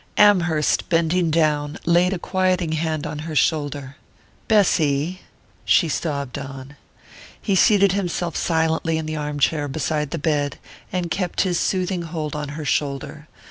Amherst, bending down, laid a quieting hand on her shoulder. "Bessy " She sobbed on. He seated himself silently in the arm chair beside the bed, and kept his soothing hold on her shoulder.